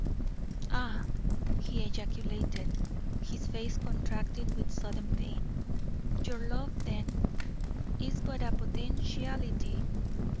"Ah!" he ejaculated, his face contracting with sudden pain; "your love, then, is but a potentiality.